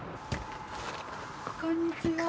こんにちは。